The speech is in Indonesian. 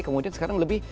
kemudian sekarang lebih